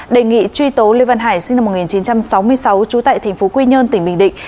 đề nghị truy tố lê văn hải sinh năm một nghìn chín trăm sáu mươi sáu trú tại thành phố quy nhơn tỉnh bình định